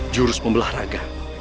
jurus membelah raga